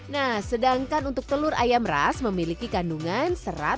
nah sedangkan untuk telur ayam ras memiliki kandungan serat